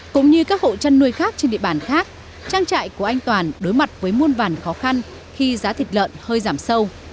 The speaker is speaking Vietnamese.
cũng như các hộ chăn nuôi khác trên địa bàn khác trang trại của anh toàn đối mặt với muôn vàn khó khăn khi giá thịt lợn hơi giảm sâu